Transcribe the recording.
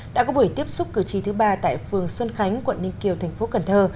đã có buổi tiếp xúc cử tri thứ ba tại phường xuân khánh quận ninh kiều thành phố cần thơ